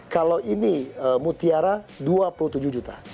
kalau ini mutiara dua puluh tujuh juta